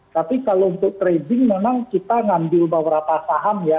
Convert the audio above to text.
tapi kalau untuk trading memang kita ngambil beberapa saham ya